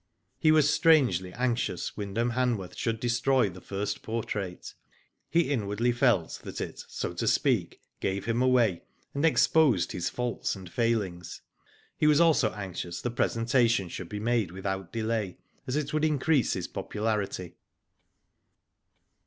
He was strangely anxious Wyndham Hanworth should destroy the first portrait. He inwardly felt that it, so to speak, gave him away, and exposed Digitized byGoogk 236 IV//0 DID ITf his faults and failings. He was also anxious the presentation should be made without delay, as it would increase his popularity.